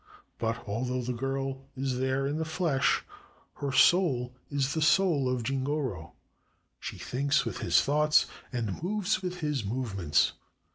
But although the girl is there in the flesh, her soul is the soul of Jingoro — she thinks with his thoughts, and moves with his movements.